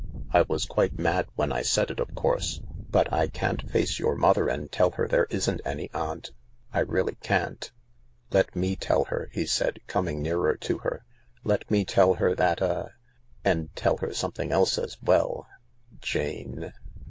I was quite mad when I said it, of course, but I can't face your mother and tell her there isn't any aunt — I really can't." " Let me tell her," he said, coming nearer to her ;" let me tell her that a — and tell her something else as well. ... Jane ..